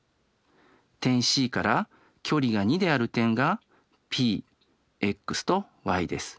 点Ｃから距離が２である点がＰｘとｙです。